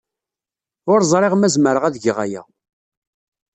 Ur ẓriɣ ma zemreɣ ad d-geɣ aya.